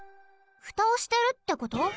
フタをしてるってこと？